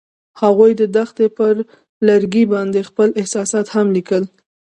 هغوی د دښته پر لرګي باندې خپل احساسات هم لیکل.